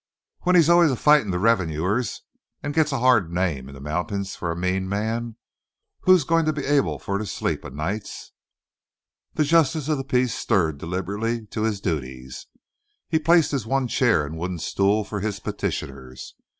"When he's al'ays a fightin' the revenues, and gits a hard name in the mount'ins fur a mean man, who's gwine to be able fur to sleep o' nights?" The Justice of the Peace stirred deliberately to his duties. He placed his one chair and a wooden stool for his petitioners.